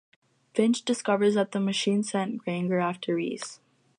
Finch discovers that the Machine sent Granger after Reese.